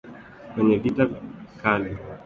Kwenye vita kali.